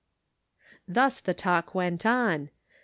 " Thus the talk went on.